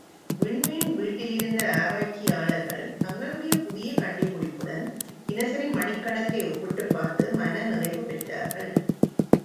விண்மீன் வீட்டில் இருந்த ஆராய்ச்சியாளர்கள், தங்களுடைய புதிய கண்டுபிடிப்புடன், தினசரி மணிக்கணக்கை ஒப்பிட்டுப் பார்த்து மன நிறைவு பெற்றார்கள்.